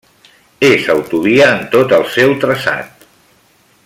És autovia en tot al seu traçat.